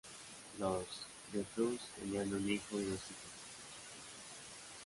Los Dreyfuss tenían un hijo y dos hijas.